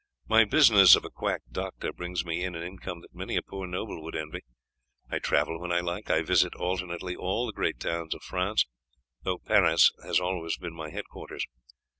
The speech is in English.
My business of a quack doctor brings me in an income that many a poor nobleman would envy. I travel when I like; I visit alternately all the great towns of France, though Paris has always been my head quarters.